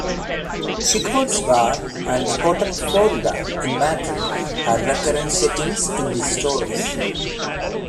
Chicote's bar and the Hotel Florida in Madrid are recurrent settings in these stories.